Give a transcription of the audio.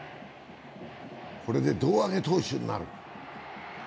これで胴上げ投手になる。